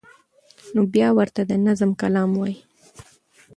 نو بیا ورته د نظم کلام وایی